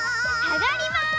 あがります。